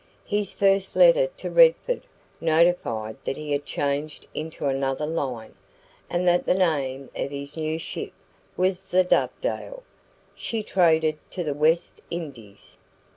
His first letter to Redford notified that he had changed into another line, and that the name of his new ship was the DOVEDALE. She traded to the West Indies.